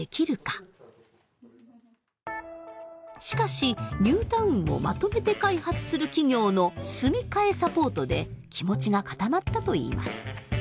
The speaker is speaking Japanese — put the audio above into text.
しかしニュータウンをまとめて開発する企業の住み替えサポートで気持ちが固まったといいます。